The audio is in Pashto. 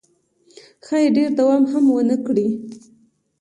ښایي ډېر دوام هم ونه کړي.